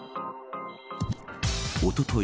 おととい